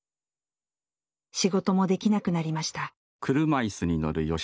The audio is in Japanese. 仕事もできなくなりました。